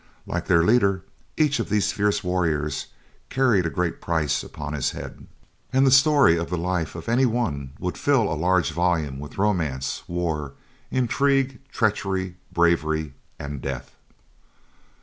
Like their leader, each of these fierce warriors carried a great price upon his head, and the story of the life of any one would fill a large volume with romance, war, intrigue, treachery, bravery and death.